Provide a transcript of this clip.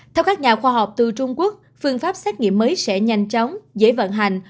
theo các nhà khoa học từ trung quốc phương pháp xét nghiệm mới sẽ nhanh chóng dễ vận hành